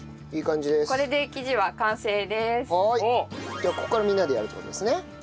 じゃあここからみんなでやるって事ですね。